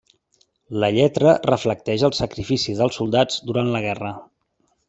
La lletra reflecteix el sacrifici dels soldats durant la guerra.